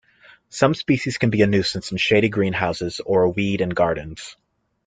Some species can be a nuisance in shady greenhouses or a weed in gardens.